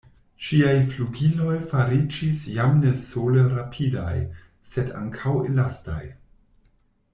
Ŝiaj flugiloj fariĝis jam ne sole rapidaj, sed ankaŭ elastaj!